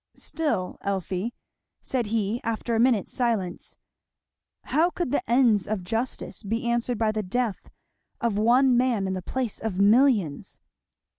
"Still, Elfie," said he after a minute's silence, "how could the ends of justice be answered by the death of one man in the place of millions?"